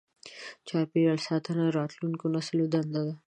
چاپېریال ساتنه د راتلونکو نسلونو دنده ده.